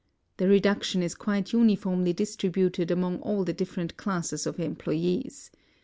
The reduction is quite uniformly distributed among all the dif ferent clas.ses of employes.